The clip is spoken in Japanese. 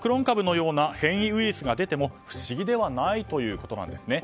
株のような変異ウイルスが出ても不思議ではないということです。